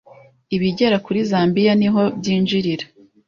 ibigera kuri Zambia niho byinjirira